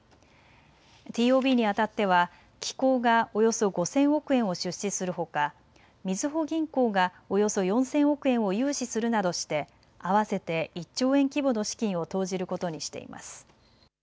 ＴＯＢにあたっては機構がおよそ５０００億円を出資するほか、みずほ銀行がおよそ４０００億円を融資するなどして合わせて１兆円規模の資金を投じることにしています。